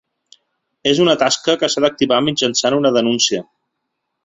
És una tasca que s’ha d’activar mitjançant una denúncia.